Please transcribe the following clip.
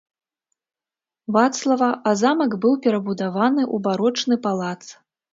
Вацлава, а замак быў перабудаваны ў барочны палац.